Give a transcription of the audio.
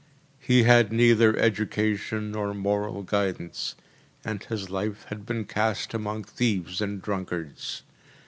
He had neither education nor moral guidance, and his life had been cast among thieves and drunkards.